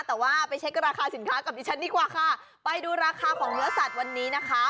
แต่ว่าไปเช็คราคาสินค้ากับดิฉันดีกว่าค่ะไปดูราคาของเนื้อสัตว์วันนี้นะคะ